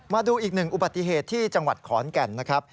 มาดูอีกหนึ่งอุบัติเหตุที่จังหวัดขอนแก่นนะครับ